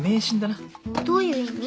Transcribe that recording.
どういう意味？